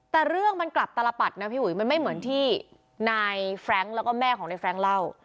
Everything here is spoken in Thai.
แต่เรื่องมันกลับตลปัดนะพี่อุ๋ยมันไม่เหมือนที่นายแฟรงค์แล้วก็แม่ของในแร้งเล่า